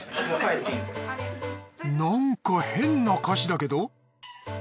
なんか変な歌詞だけど。